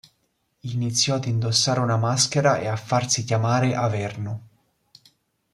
Iniziò ad indossare una maschera e a farsi chiamare Averno.